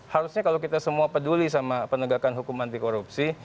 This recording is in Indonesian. harusnya kalau kita semua peduli sama penegakan hukum anti korupsi